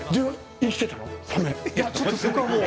生きていたの？